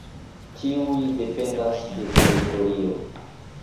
Tiuj dependas de teritorio.